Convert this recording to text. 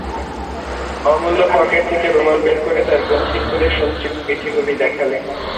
অমূল্য পকেট থেকে রুমাল বের করে তার গ্রন্থি খুলে সঞ্চিত পিঠেগুলি দেখালে।